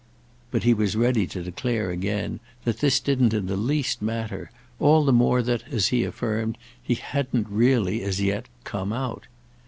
But he was ready to declare again that this didn't in the least matter; all the more that, as he affirmed, he hadn't really as yet "come out."